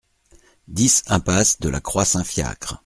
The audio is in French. dix impasse de la Croix Saint-Fiacre